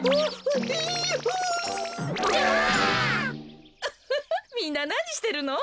ウフフみんななにしてるの？